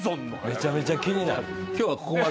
めちゃめちゃ気になる。